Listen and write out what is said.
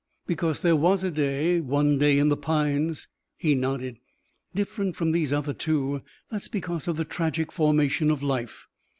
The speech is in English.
Because there was a day one day in the pines " He nodded. "Different from these other two. That's because of the tragic formation of life.